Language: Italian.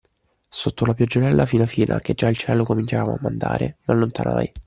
Sotto la pioggerella fina fina che già il cielo cominciava a mandare, m'allontanai,